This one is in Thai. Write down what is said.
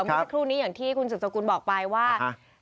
วันที่ครู่นี้อย่างที่คุณสุภาคุณบอกไปว่า